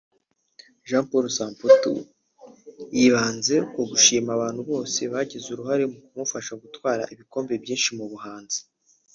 Jean Paul Samputu yibanze ku gushima abantu bose bagize uruhare mu kumufasha gutwara ibikombe byinshi mu buhanzi